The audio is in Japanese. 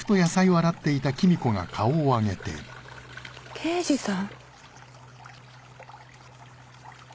刑事さん？